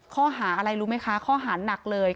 ข้อหาอะไรรู้ไหมคะข้อหาหนักเลย